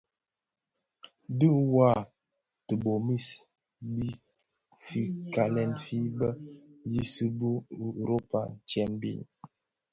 Dhi ňwad tibomis bi fikalèn fi bë yiyis bisu u Afrika ntsem mbiň.